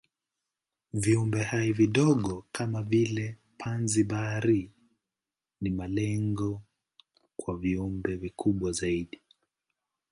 Viumbehai vidogo kama vile panzi-bahari ni malengo kwa viumbe vikubwa zaidi.